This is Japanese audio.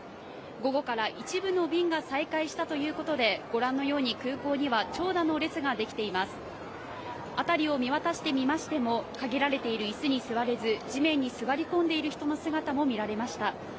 午後から一部の便が再開したということでご覧のように空港には、長蛇の列ができています辺りを見渡してみましても、限られている椅子に座れず、地面に座り込んでいる人の姿も見られました。